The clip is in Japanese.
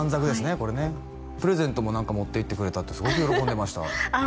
これねプレゼントも何か持っていってくれたってすごく喜んでましたああ